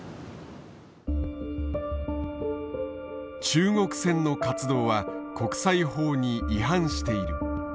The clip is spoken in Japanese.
中国船の活動は国際法に違反している。